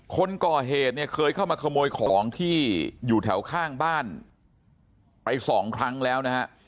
คนก่อเหตุเนี่ยเคยเข้ามาขโมยของที่อยู่แถวข้างบ้านไปสองครั้งแล้วนะฮะ